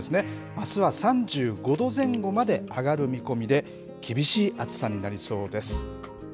あすは３５度前後まで上がる見込みで、厳しい暑さになりそうです。